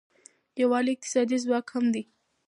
یووالی اقتصادي ځواک هم دی.